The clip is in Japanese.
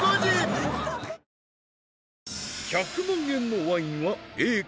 １００万円のワインはＡか？